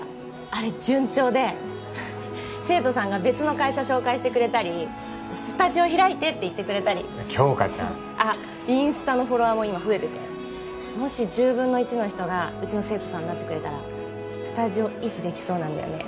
あれ順調で生徒さんが別の会社紹介してくれたり「スタジオ開いて」って言ってくれたり杏花ちゃんあっインスタのフォロワーも今増えててもし１０分の１の人がうちの生徒さんになってくれたらスタジオ維持できそうなんだよね